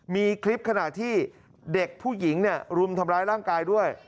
มีคลิปขณะที่เด็กผู้หญิงรุมทำร้ายร่างกายด้วย